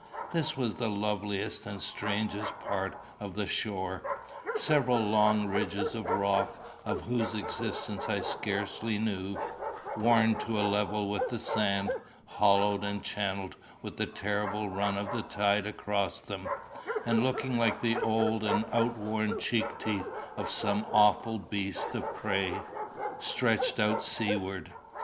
This was the loveliest and strangest part of the shore. Several long low ridges of rock, of whose existence I scarcely knew, worn to a level with the sand, hollowed and channelled with the terrible run of the tide across them, and looking like the old and outworn cheek teeth of some awful beast of prey, stretched out seawards.